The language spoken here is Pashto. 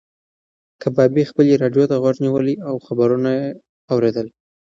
کبابي خپلې راډیو ته غوږ نیولی و او خبرونه یې اورېدل.